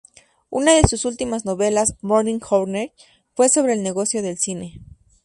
Una de sus últimas novelas, "Morning Journey", fue sobre el negocio del cine.